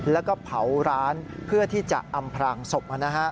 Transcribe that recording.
แล้วก็เผาร้านเพื่อที่จะอำพลางศพ